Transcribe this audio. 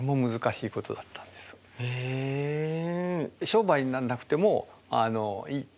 商売になんなくてもいい。